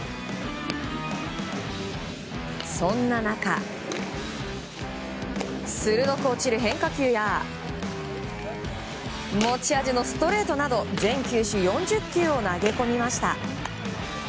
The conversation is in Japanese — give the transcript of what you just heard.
そんな中、鋭く落ちる変化球や持ち味のストレートなど全球種４０球を投げ込みました。